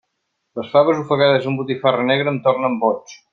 Les faves ofegades amb botifarra negra em tornen boig.